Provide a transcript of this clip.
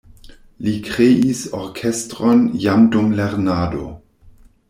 Li kreis orkestron jam dum lernado.